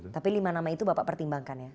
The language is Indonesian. tapi lima nama itu bapak pertimbangkan ya